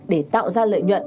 để tạo ra lợi nhuận